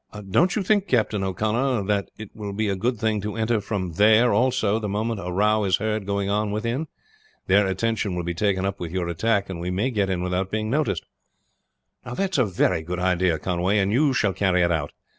"Don't you think, Captain O'Connor, that it will be a good thing to enter from there also the moment a row is heard going on within. Their attention will be taken up with your attack, and we may get in without being noticed." "That's a very good idea, Conway; and you shall carry it out.